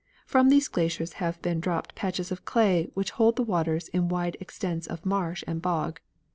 From these glaciers have been dropped patches of clay which hold the waters in wide extents of marsh and bog.